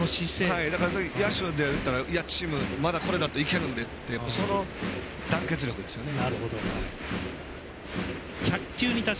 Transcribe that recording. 野手でいったらチーム、まだいけるんでっていうその団結力ですよね。